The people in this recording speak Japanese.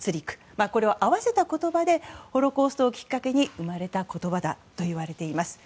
これを合わせた言葉でホロコーストをきっかけに生まれた言葉だといわれています。